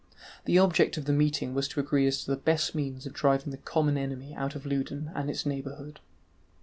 The object of the meeting was to agree as to the best means of driving the common enemy out of Loudon and its neighbourhood.